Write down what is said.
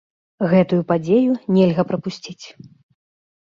Гэтую падзею нельга прапусціць!